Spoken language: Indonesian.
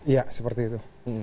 ya seperti itu